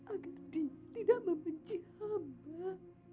agar dia tidak membenci hamba